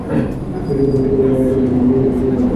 কিন্তু ওরা ওর মায়ের কথা শুনে নিজেদের সুযোগ হাতছাড়া করছে।